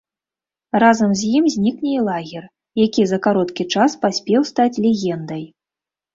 Разам з ім знікне і лагер, які за кароткі час паспеў стаць легендай.